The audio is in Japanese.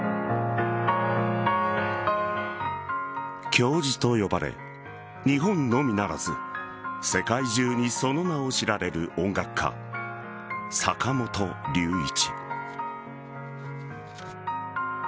教授と呼ばれ、日本のみならず世界中にその名を知られる音楽家坂本龍一。